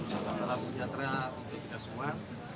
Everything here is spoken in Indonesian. salam sejahtera untuk kita semua